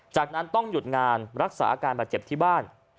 จากนั้นต้องหยุดงานรักษาอาการบาดเจ็บที่บ้าน